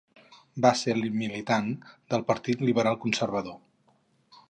Va ser militant del Partit Liberal Conservador.